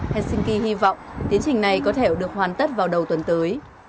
helsinki hy vọng tiến trình này có thể được hoàn tất vào đầu tuần tới